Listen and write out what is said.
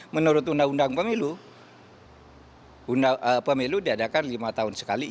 menurut undang undang pemilu pemilu diadakan lima tahun sekali